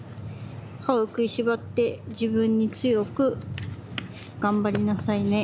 歯をくいしばって自分に強くがんばりなさいね。